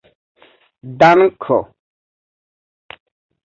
danko